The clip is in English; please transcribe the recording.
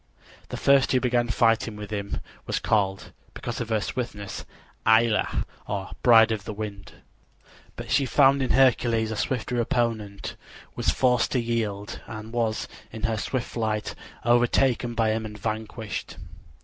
The first who began fighting with him was called, because of her swiftness, Aëlla, or Bride of the Wind; but she found in Hercules a swifter opponent, was forced to yield and was in her swift flight overtaken by him and vanquished.